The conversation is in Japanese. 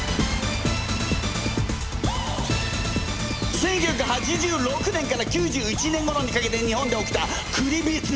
１９８６年から９１年ごろにかけて日本で起きたクリビツ！